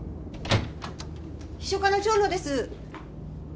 秘書課の蝶野です。